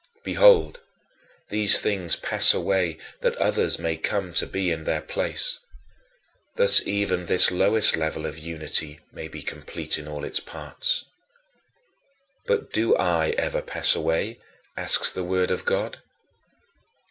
Behold, these things pass away that others may come to be in their place. Thus even this lowest level of unity may be made complete in all its parts. "But do I ever pass away?" asks the Word of God.